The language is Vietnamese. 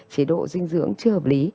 chế độ dinh dưỡng chưa hợp lý